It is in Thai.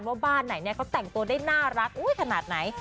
ว่าบ้านไหนเนี่ยเขาแต่งตัวได้น่ารักขนาดไหน